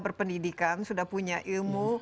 berpendidikan sudah punya ilmu